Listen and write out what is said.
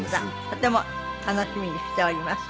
とても楽しみにしております。